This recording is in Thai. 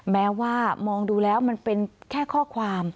แม้ว่ามองดูแล้วมันเป็นแค่ข้อความ